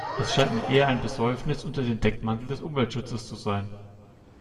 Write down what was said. Es scheint mir eher ein Besäufnis unter dem Deckmantel des Umweltschutzes zu sein.